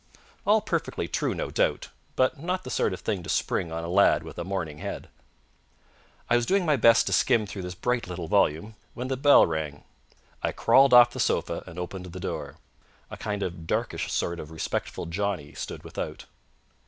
_ All perfectly true, no doubt; but not the sort of thing to spring on a lad with a morning head. I was doing my best to skim through this bright little volume when the bell rang. I crawled off the sofa and opened the door. A kind of darkish sort of respectful Johnnie stood without.